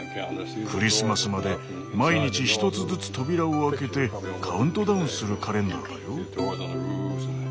クリスマスまで毎日１つずつ扉を開けてカウントダウンするカレンダーだよ。